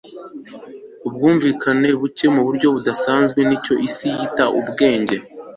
ubwumvikane buke muburyo budasanzwe nicyo isi yita ubwenge